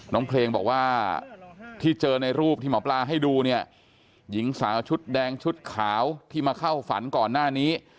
น้องเพลงบอกว่าที่เจอในรูปที่หมอปลาให้ดูเนี่ยหญิงสาวชุดแดงชุดขาวที่มาเข้าฝันก่อนหน้านี้